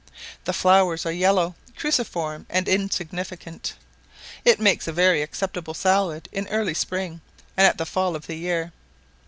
The flowers are yellow, cruciform, and insignificant; it makes a very acceptable salad in the early spring, and at the fall of the year.